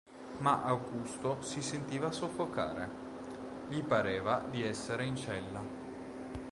Ma Augusto si sentiva soffocare; gli pareva di essere in cella.